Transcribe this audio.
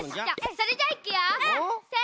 それじゃあいくよ。